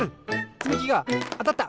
つみきがあたった！